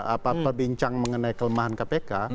apa perbincang mengenai kelemahan kpk